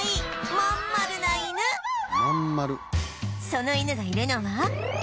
その犬がいるのは